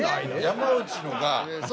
山内のが。